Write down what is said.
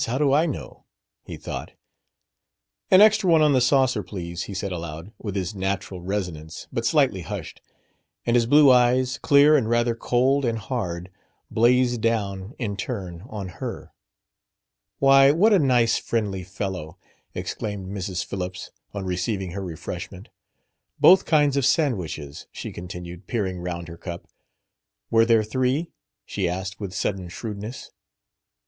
How do I know?" he thought. "An extra one on the saucer, please," he said aloud, with his natural resonance but slightly hushed. And his blue eyes, clear and rather cold and hard, blazed down, in turn, on her. "Why, what a nice, friendly fellow!" exclaimed Mrs. Phillips, on receiving her refreshment. "Both kinds of sandwiches," she continued, peering round her cup. "Were there three?" she asked with sudden shrewdness.